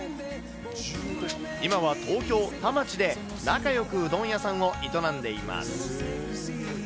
今は東京・田町で仲よくうどん屋さんを営んでいます。